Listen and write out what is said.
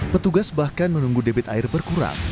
petugas bahkan menunggu debit air berkurang